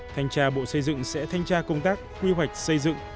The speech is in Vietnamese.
thanh tra bộ xây dựng sẽ thanh tra công tác quy hoạch xây dựng